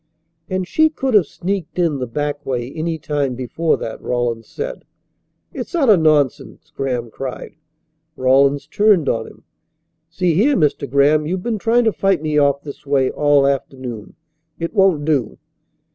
"And she could have sneaked in the back way any time before that," Rawlins said. "It's utter nonsense!" Graham cried. Rawlins turned on him. "See here, Mr. Graham, you've been trying to fight me off this way all afternoon. It won't do."